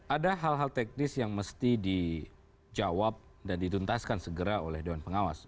ada hal hal teknis yang mesti dijawab dan dituntaskan segera oleh dewan pengawas